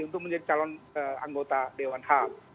untuk menjadi calon anggota dewan ham